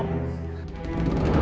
lagi sibuk ya